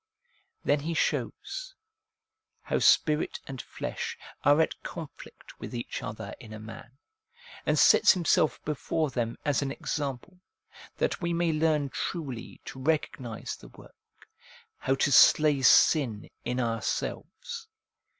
Then he shows, how spirit and flesh are at conflict with each other in a man, and sets himself before them as an example, that we may learn truly to recognise the work ŌĆö how to slay sin in ourselves.